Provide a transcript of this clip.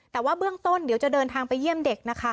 แต่ว่าเบื้องต้นเดี๋ยวจะเดินทางไปเยี่ยมเด็กนะคะ